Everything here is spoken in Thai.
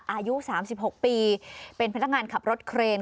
อายุ๓๖ปีเป็นพนักงานขับรถเครน